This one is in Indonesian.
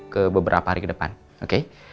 ke beberapa hari ke depan oke